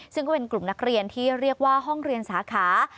ซึ่งก็เป็นกลุ่มนักเรียนที่เรียกว่าห้องเรียนสาขา